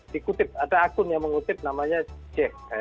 dikutip ada akun yang mengutip namanya c